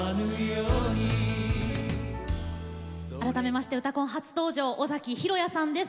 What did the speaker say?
改めまして「うたコン」初登場尾崎裕哉さんです。